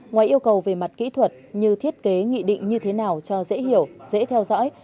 ngoài yêu cầu về mặt kỹ thuật như thiết kế nghị định như thế nào cho dễ hiểu dễ theo dõi